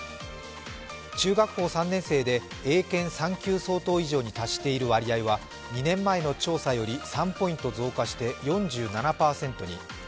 中学校３年生で英検３級相当以上に達している割合は２年前の調査より３ポイント増加して４７％に。